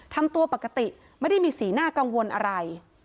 ทำตัวปกติไม่ได้มีสีหน้ากังวลอะไร